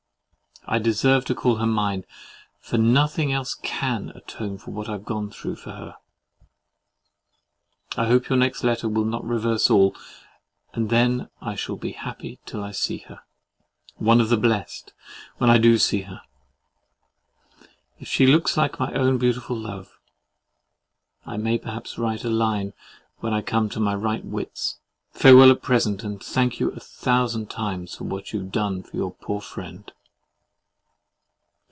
I deserve to call her mine; for nothing else CAN atone for what I've gone through for her. I hope your next letter will not reverse all, and then I shall be happy till I see her,—one of the blest when I do see her, if she looks like my own beautiful love. I may perhaps write a line when I come to my right wits.—Farewel at present, and thank you a thousand times for what you have done for your poor friend.